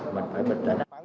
mình phải bị trả năng